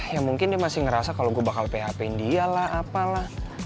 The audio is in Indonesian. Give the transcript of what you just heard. ya mungkin dia masih ngerasa kalo gue bakal php in dia lah apalah